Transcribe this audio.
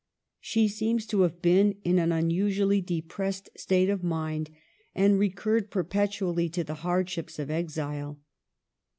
She seems to have been in an unusually depressed state of mind, and recurred perpetually to the hardships of exile.